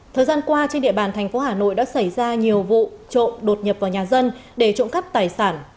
thời gian qua trên địa bàn thành phố hà nội đã xảy ra nhiều vụ trộm đột nhập vào nhà dân để trộm cắp tài sản